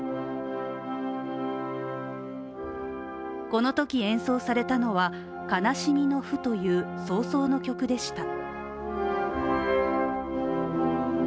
このとき演奏されたのは「悲しみの譜」という葬送の曲でした。